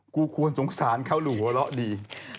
กูควรสงสารเข้าหรูหล่อดี